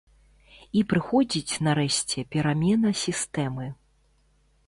І прыходзіць нарэшце перамена сістэмы.